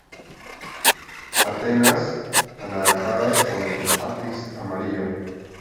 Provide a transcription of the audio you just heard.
Antenas anaranjadas con el ápice amarillo.